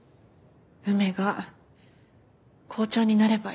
梅が校長になればいい。